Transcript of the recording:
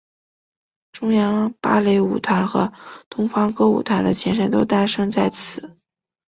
中央芭蕾舞团和东方歌舞团的前身都诞生在此。